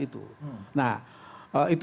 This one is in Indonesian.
itu nah itu